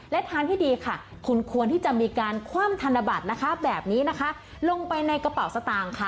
และทางที่ดีค่ะคุณควรที่จะมีการคว่ำธนบัตรนะคะแบบนี้นะคะลงไปในกระเป๋าสตางค์ค่ะ